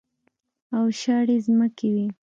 او شاړې ځمکې وې.